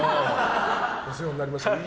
お世話になりましたってね。